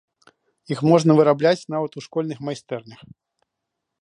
Іх можна вырабляць нават у школьных майстэрнях.